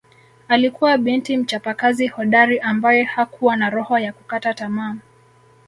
Alikuwa binti mchapakazi hodari ambae hakuwa na roho ya kukata tamaa